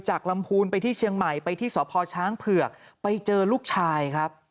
ลำพูนไปที่เชียงใหม่ไปที่สพช้างเผือกไปเจอลูกชายครับ